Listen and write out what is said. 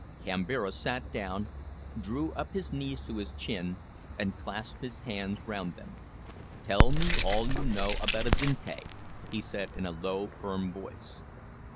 Kambira sat down, drew up his knees to his chin, and clasped his hands round them. "Tell me all you know about Azinte," he said in a low, firm voice.